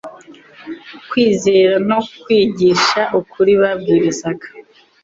kwizera no kwigisha ukuri babwirizaga,